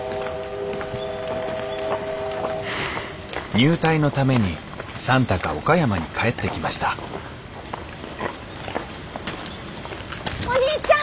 入隊のために算太が岡山に帰ってきましたお兄ちゃん！